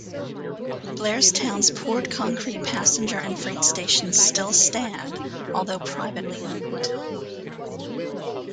Blairstown's poured concrete passenger and freight stations still stand, although privately owned.